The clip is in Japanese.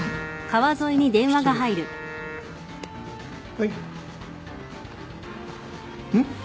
はい。